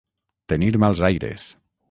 Tenir mals aires.